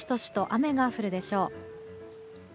雨が降るでしょう。